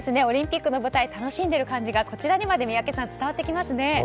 オリンピックの舞台を楽しんでいる感じがこちらにまで伝わってきますね